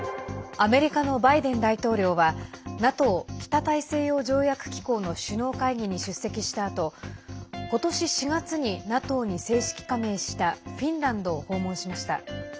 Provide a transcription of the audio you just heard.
アメリカのバイデン大統領はＮＡＴＯ＝北大西洋条約機構の首脳会議に出席したあと今年４月にＮＡＴＯに正式加盟したフィンランドを訪問しました。